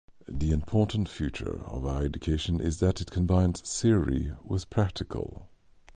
The important feature of our education is that it combines theory with practical